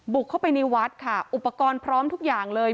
บุกเข้าไปในวัดค่ะอุปกรณ์พร้อมทุกอย่างเลย